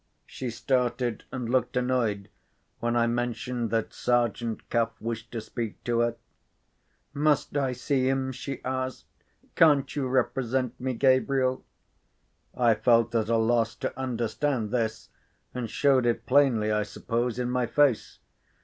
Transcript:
She started and looked annoyed when I mentioned that Sergeant Cuff wished to speak to her. "Must I see him?" she asked. "Can't you represent me, Gabriel?" I felt at a loss to understand this, and showed it plainly, I suppose, in my face.